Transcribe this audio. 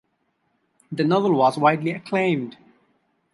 The novel was widely acclaimed.